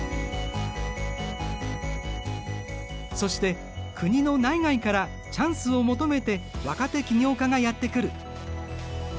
そして国の内外からチャンスを求めて若手起業家がやって来る。